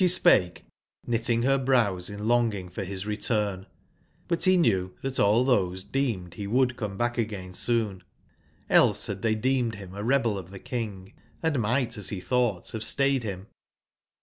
~ pS spake, knitting her brows in longing for bis return; but be knew tbat all those deemed be would come back again soon ; else bad they deemed him a rebelof tbe King, and might, 137 as be thought, have stayed him.